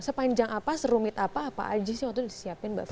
sepanjang apa serumit apa apa aja sih waktu disiapin mbak fani